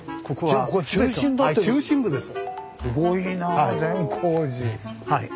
はい中心部です。